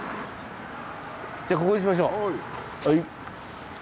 じゃここにしましょう。